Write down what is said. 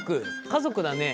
家族だね。